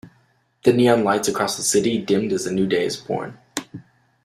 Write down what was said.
The neon lights across the city dimmed as a new day is born.